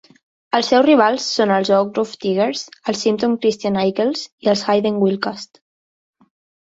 Els seus rivals són els Oak Grove Tigers, els Sumiton Christian Eagles i els Hayden Wildcats.